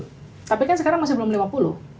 tapi kan sekarang masih belum lima puluh